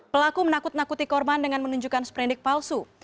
pelaku menakut nakuti korban dengan menunjukkan sprendik palsu